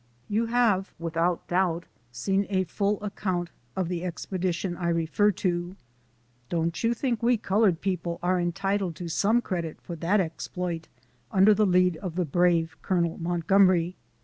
"' You have, without doubt, seen a fall account of the expedition I refer to. Don't you think we col ored people are entitled to some credit for that ex ploit, under the lead of the brave Colonel Montgom ery